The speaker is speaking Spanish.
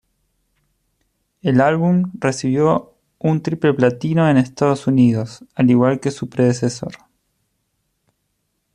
El álbum recibió un triple platino en Estados Unidos, al igual que su predecesor.